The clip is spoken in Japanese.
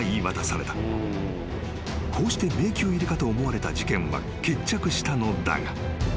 ［こうして迷宮入りかと思われた事件は決着したのだが］